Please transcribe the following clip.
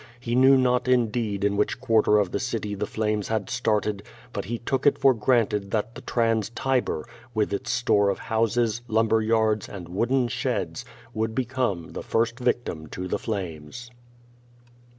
He knew not indeed in what quarter of the city the flames had started, but he took it for granted tliat the Trans Tiber, with its store of houses, lumber yards, and wooden sheds, would become the first vic tim to the flames.